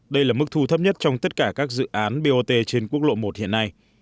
đây là mức thu thấp nhất trong tất cả các dự án bot trên quốc lộ một hiện nay